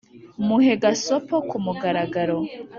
Muhe gasopo ku mugaragaro